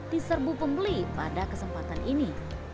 diserbu pembeli pada kesempatan ini